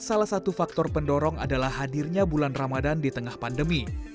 salah satu faktor pendorong adalah hadirnya bulan ramadan di tengah pandemi